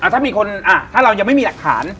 ถ้าเรายังไม่มีหลักฐาน